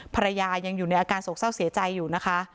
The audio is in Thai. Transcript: ภรรยายังอยู่ในอาการโศกเศร้าเสียใจอยู่นะคะ